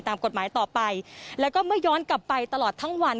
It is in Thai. ตามกฎหมายต่อไปแล้วก็เมื่อย้อนกลับไปตลอดทั้งวัน